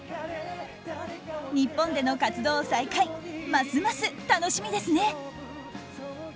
日本での活動再開ますます楽しみですね。